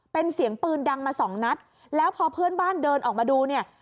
เป็นเสียงปืนดังมาสองนัดแล้วพอเพื่อนบ้านเดินออกมาดูเนี่ย